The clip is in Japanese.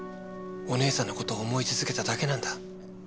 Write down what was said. お姉さんの事を思い続けただけなんだ。